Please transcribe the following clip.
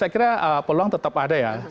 saya kira peluang tetap ada ya